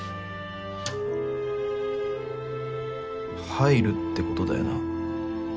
入るってことだよな？